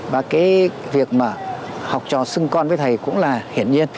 và cái việc mà học trò xưng con với thầy cũng là hiển nhiên